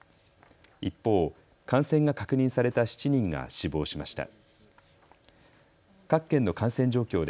一方、感染が確認された７人が死亡しました。